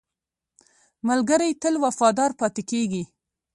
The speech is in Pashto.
ملګری تل وفادار پاتې کېږي